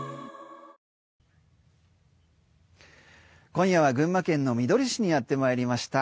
今夜は群馬県みどり市にやってまいりました。